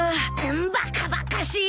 バカバカしい。